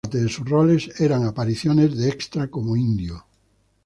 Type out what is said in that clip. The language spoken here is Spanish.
La mayor parte de sus roles eran apariciones de extra como 'indio'.